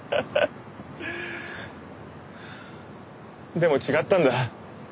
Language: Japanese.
でも違ったんだ。